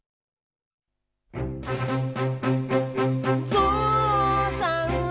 「ぞうさんは」